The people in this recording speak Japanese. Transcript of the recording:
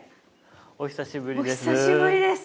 お久しぶりです。